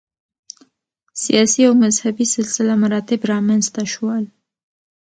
سیاسي او مذهبي سلسله مراتب رامنځته شول